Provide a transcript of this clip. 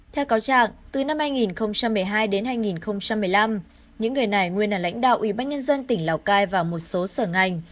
theo cáo trạng từ năm hai nghìn một mươi hai đến hai nghìn một mươi năm những người này nguyên là lãnh đạo ủy ban nhân dân tỉnh lào cai và một số sở ngành